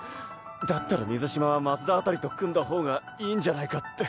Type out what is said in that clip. だったら水嶋は松田あたりと組んだ方がいいんじゃないかって。